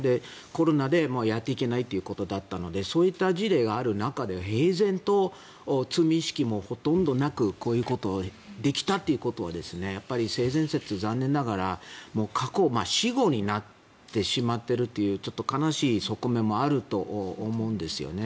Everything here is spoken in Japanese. コロナでやっていけないということだったのでそういった事例がある中で平然と罪意識もほとんどなくこういうことをできたということは性善説、残念ながら死語になってしまっているというちょっと悲しい側面もあると思うんですよね。